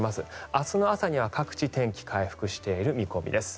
明日の朝には各地天気回復している見込みです。